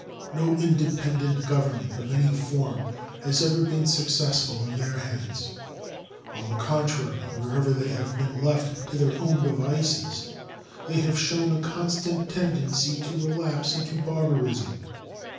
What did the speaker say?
No independent government of any form has ever been successful in their hands. On the contrary, wherever they have been left to their own devices they have shown a constant tendency to relapse into barbarism.